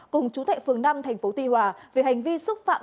cùng chú thệ phường năm tp tuy hòa về hành vi xúc phạm